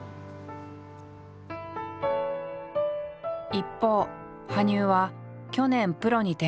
一方羽生は去年プロに転向。